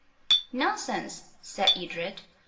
"Nonsense," said Edred.